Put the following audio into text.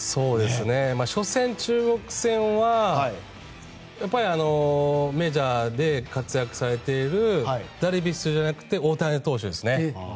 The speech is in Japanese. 初戦、中国戦はメジャーで活躍されているダルビッシュじゃなくて大谷投手ですね。